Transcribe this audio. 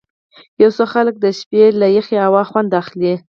یو څه خلک د شپې له سړې هوا خوند اخلي.